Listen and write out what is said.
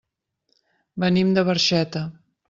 Venim de Barxeta.